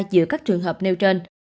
giữa các trường hợp nêu trên